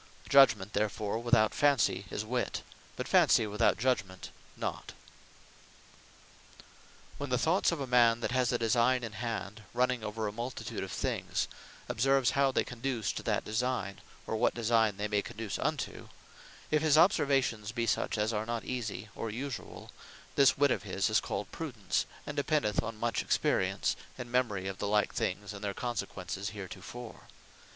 Judgement therefore without Fancy is Wit, but Fancy without Judgement not. Prudence When the thoughts of a man, that has a designe in hand, running over a multitude of things, observes how they conduce to that designe; or what designe they may conduce into; if his observations be such as are not easie, or usuall, This wit of his is called PRUDENCE; and dependeth on much Experience, and Memory of the like things, and their consequences heretofore.